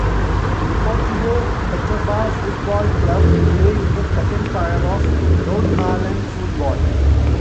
Deportivo Petapa football club play in the second tier of Guatemalan football.